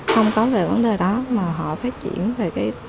không có về vấn đề đó mà họ phát triển về cái